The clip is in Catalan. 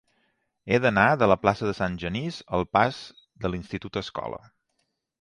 He d'anar de la plaça de Sant Genís al pas de l'Institut Escola.